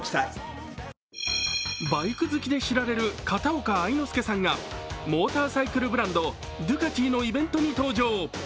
バイク好きで知られる片岡愛之助さんがモーターサイクルブランドドゥカティのイベントに登場。